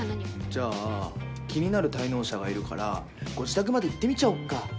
じゃあ気になる滞納者がいるからご自宅まで行ってみちゃおっか。